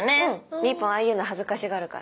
みーぽんああいうの恥ずかしがるから。